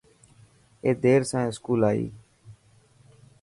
اي دير سان اسڪول آئي.